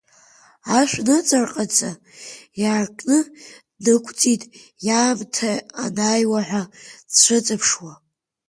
Ашә ныҵарҟаца иаркны днықәҵит, иаамҭа анааиуа ҳәа дцәыҵыԥшуа.